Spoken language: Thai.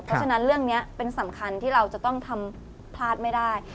เพราะฉะนั้นเรื่องนี้เป็นสำคัญที่เราจะต้องทำพลาดไม่ได้